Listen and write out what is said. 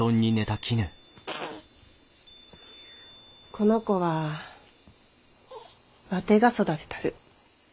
この子はワテが育てたる。